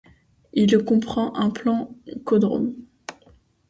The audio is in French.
Il comprend un planchodrome.